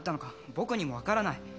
僕にも分からない